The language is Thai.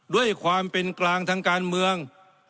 ด้วยความเป็นกลางทางการเมือง